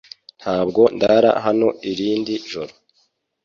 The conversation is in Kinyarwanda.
Ntabwo ndara hano irindi joro .